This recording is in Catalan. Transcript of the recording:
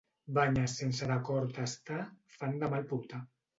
Banyes sense d'acord estar, fan de mal portar.